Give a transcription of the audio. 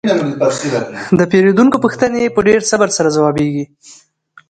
د پیرودونکو پوښتنې په ډیر صبر سره ځوابیږي.